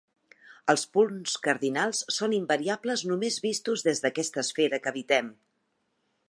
Els punts cardinals són invariables només vistos des d'aquesta esfera que habitem.